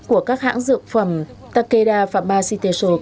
của các hãng dược phẩm takeda pharma cytosol